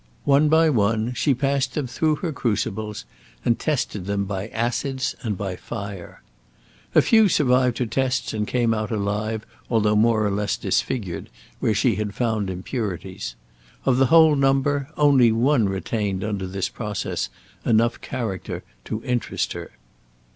One by one, she passed them through her crucibles, and tested them by acids and by fire. A few survived her tests and came out alive, though more or less disfigured, where she had found impurities. Of the whole number, only one retained under this process enough character to interest her.